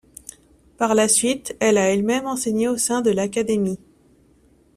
Par la suite, elle a elle-même enseigné au sein de l'académie.